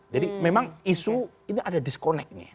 jadi memang isu ini ada disconnectnya